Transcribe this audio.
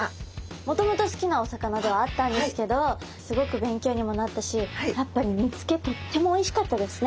もともと好きなお魚ではあったんですけどすごく勉強にもなったしやっぱり煮つけとってもおいしかったですね。